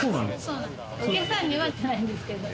お客さんには入れないんですけど。